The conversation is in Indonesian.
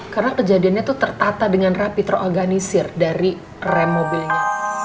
karena kejadiannya tuh tertata dengan rapi terorganisir dari rem mobilnya